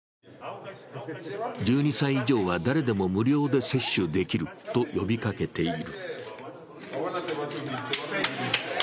１２歳以上は誰でも無料で接種できると呼びかけている。